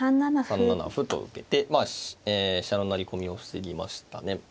３七歩と受けて飛車の成り込みを防ぎましたね。